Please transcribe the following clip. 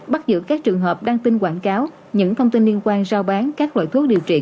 bắt giữ các trường hợp đăng tin quảng cáo những thông tin liên quan giao bán các loại thuốc điều trị covid một mươi chín